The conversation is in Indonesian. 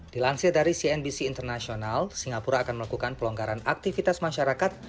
dilansir dari cnbc international singapura akan melakukan pelonggaran aktivitas masyarakat